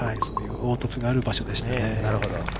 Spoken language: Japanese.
凹凸がある場所でしたね。